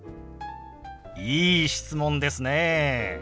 いい質問ですね。